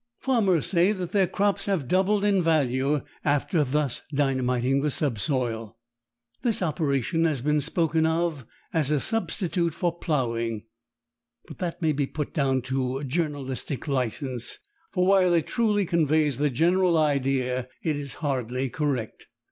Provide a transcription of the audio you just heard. Farmers say that their crops have doubled in value after thus dynamiting the subsoil. This operation has been spoken of as a substitute for ploughing, but that may be put down to "journalistic licence," for while it truly conveys the general idea, it is hardly correct.